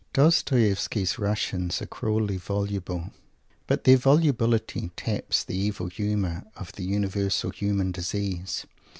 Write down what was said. Dostoievsky's Russians are cruelly voluble, but their volubility taps the evil humour of the universal human disease.